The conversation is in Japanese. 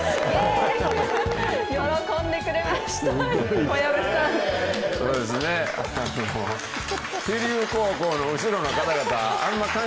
喜んでくれました。